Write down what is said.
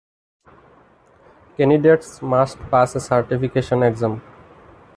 Candidates must pass a certification exam.